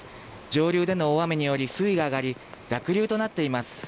上流での大雨により、水位が上がり、濁流となっています。